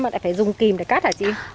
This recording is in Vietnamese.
mà lại phải dùng kìm để cắt hả chị